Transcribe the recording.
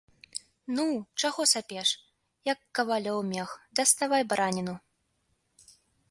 Ну, чаго ж сапеш, як кавалёў мех, даставай бараніну.